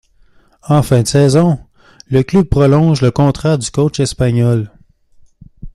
En fin de saison, le club prolonge le contrat du coach espagnol.